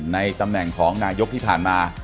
ในตำแหน่งของนายกที่ผ่านมา